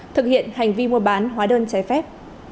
thực hiện hành vi mua bán hóa đơn trái phép